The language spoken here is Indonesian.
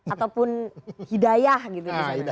ataupun hidayah gitu